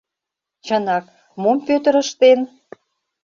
Чынак, мом Пӧтыр ыштен?